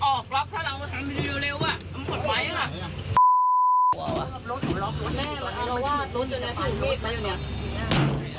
การณ์แบบนี้มันเปิดไม่เห็น